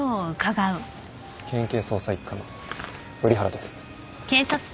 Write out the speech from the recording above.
県警捜査一課の瓜原です。